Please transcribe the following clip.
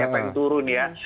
apa yang turun ya